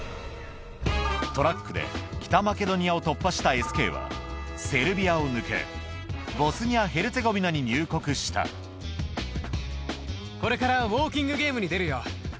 トラックで北マケドニアを突破したＳＫはセルビアを抜けボスニア・ヘルツェゴビナに入国したこれからウオーキングゲームに出るよ。